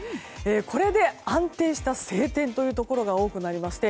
これで安定した晴天というところが多くなりまして